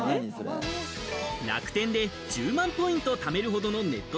楽天で１０万ポイント貯めるほどのネット